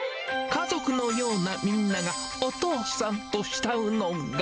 家族のようなみんなが、お父さんと慕うのが。